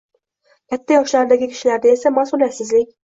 Katta yoshlardagi kishilarda esa masʼuliyatsizlik